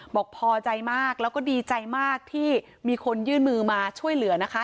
บอกพอใจมากแล้วก็ดีใจมากที่มีคนยื่นมือมาช่วยเหลือนะคะ